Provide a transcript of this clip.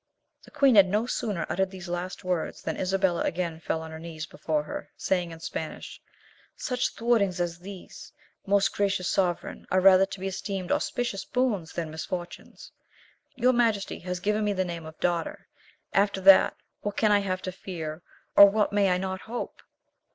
The queen had no sooner uttered these last words than Isabella again fell on her knees before her, saying in Spanish, "Such thwartings as these, most gracious sovereign, are rather to be esteemed auspicious boons than misfortunes. Your majesty has given me the name of daughter; after that what can I have to fear, or what may I not hope?"